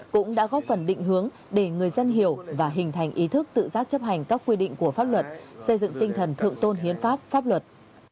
cũng đã góp phần định hướng để người dân hiểu và hình thành ý thức tự giác chấp hành các quy định của pháp luật xây dựng tinh thần thượng tôn hiến pháp pháp luật